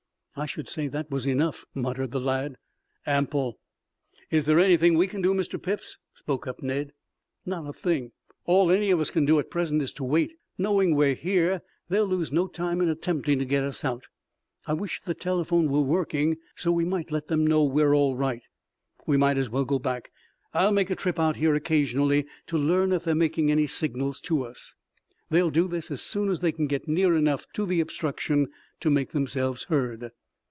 "I should say that was enough," muttered the lad. "Ample." "Is there anything we can do, Mr. Phipps?" spoke up Ned. "Not a thing. All any of us can do at present is to wait. Knowing we are here, they will lose no time in attempting to get us out. I wish the telephone were working so we might let them know we are all right. We might as well go back. I'll make a trip out here occasionally to learn if they are making any signals to us. They will do this as soon as they can get near enough to the obstruction to make themselves heard."